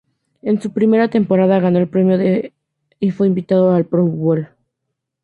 En su primera temporada, ganó el premio de y fue invitado al Pro Bowl.